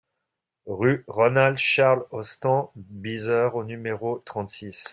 Rue Ronald Charles Ostend Beazer au numéro trente-six